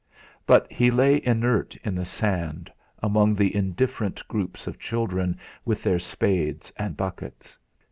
But he lay inert in the sand, among the indifferent groups of children with their spades and buckets.